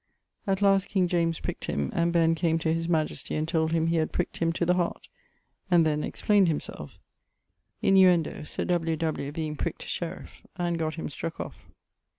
At last king James prickt him, and Ben came to his majestie and told him he 'had prickt him to the heart' and then explaynd himselfe (innuendo Sir W. W. being prickt sheriff) and got him struck off.